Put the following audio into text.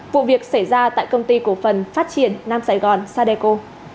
vụ việc xảy ra tại công ty cổ phần phát triển nam sài gòn sadeco